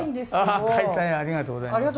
ありがとうございます。